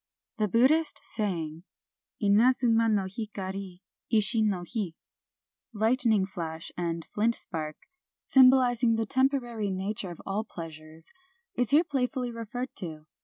The Buddhist saying, Inadzuma no hikari, ishi no hi (lightning flash and flint spark), — symbolizing the tem porary nature of all pleasures, — is here playf idly referred to.